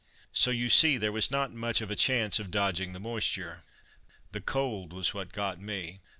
So, you see, there was not much of a chance of dodging the moisture. The cold was what got me.